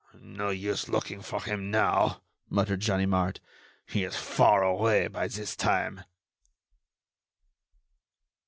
"No use looking for him now," muttered Ganimard. "He is far away by this time."